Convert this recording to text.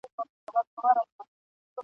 پوهېږمه په ځان د لېونو کانه راکېږي !.